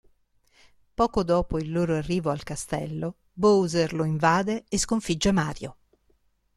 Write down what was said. Poco dopo il loro arrivo al castello, Bowser lo invade e sconfigge Mario.